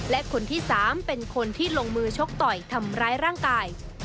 และคนที่๓เป็นคนที่ลงมือชกต่อยทำร้ายร่างกาย